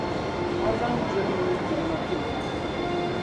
A zaŋ jiri mini jilima pili ba.